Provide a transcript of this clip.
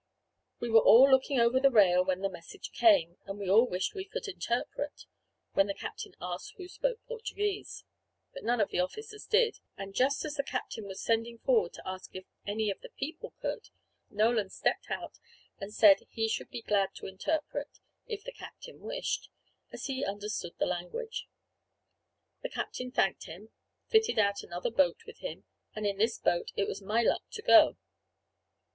We were all looking over the rail when the message came, and we all wished we could interpret, when the captain asked who spoke Portuguese. But none of the officers did; and just as the captain was sending forward to ask if any of the people could, Nolan stepped out and said he should be glad to interpret, if the captain wished, as he understood the language. The captain thanked him, fitted out another boat with him, and in this boat it was my luck to go.